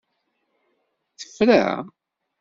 Tefra?